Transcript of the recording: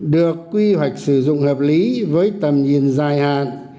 được quy hoạch sử dụng hợp lý với tầm nhìn dài hạn